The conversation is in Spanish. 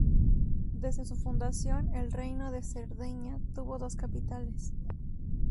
Desde su fundación el Reino de Cerdeña tuvo dos capitales.